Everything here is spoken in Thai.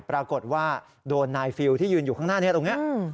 ปรากฏว่าโดนนายฟิลที่ยืนอยู่ข้างหน้านี้ตรงนี้